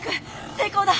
成功だ。